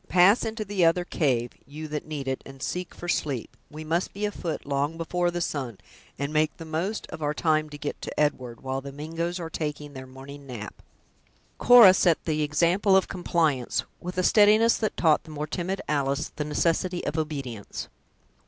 Pass into the other cave, you that need it, and seek for sleep; we must be afoot long before the sun, and make the most of our time to get to Edward, while the Mingoes are taking their morning nap." Cora set the example of compliance, with a steadiness that taught the more timid Alice the necessity of obedience.